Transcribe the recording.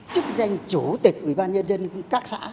chức danh chủ tịch ubnd các xã